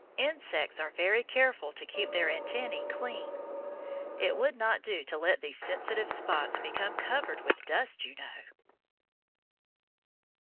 Insects are very careful to keep their antennæ clean. It would not do to let these sensitive spots become covered with dust, you know.